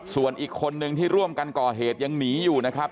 ส่วนอีกคนนึงที่ร่วมกันก่อเหตุยังหนีอยู่นะครับ